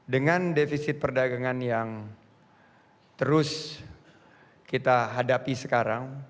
dengan defisit perdagangan yang terus kita hadapi sekarang